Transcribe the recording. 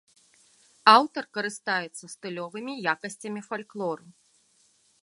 Аўтар карыстаецца стылёвымі якасцямі фальклору.